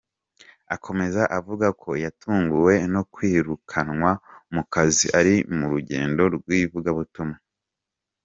Akomeza avuga ko yatunguwe no kwirukanwa mu kazi ari mu rugendo rw’ivugabutumwa.